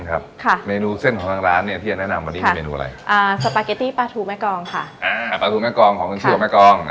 พัดไทยโบราณเต้าหู้ดำค่ะ